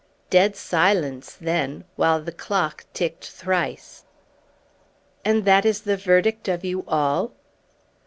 Dead silence then, while the clock ticked thrice. "And that is the verdict of you all?"